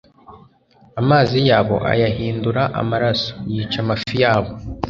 amazi yabo ayahindura amaraso, yica amafi yabo